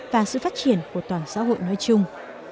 và sự phát triển của toàn xã hội nói chung